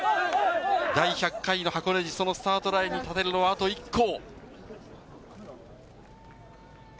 第１００回の箱根路、そのスタートラインに立てるのはあと１校。